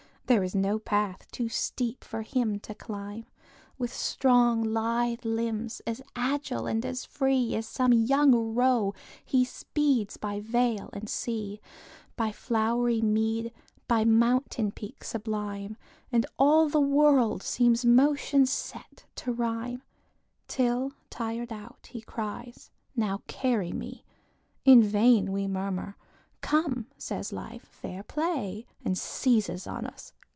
There is no path too steep for him to climb. With strong, lithe limbs, as agile and as free, As some young roe, he speeds by vale and sea, By flowery mead, by mountain peak sublime, And all the world seems motion set to rhyme, Till, tired out, he cries, "Now carry me!" In vain we murmur; "Come," Life says, "Fair play!" And seizes on us.